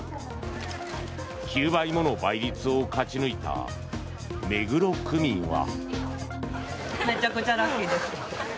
９倍もの倍率を勝ち抜いた目黒区民は。